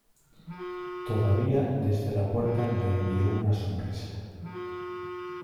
todavía desde la puerta me envió una sonrisa.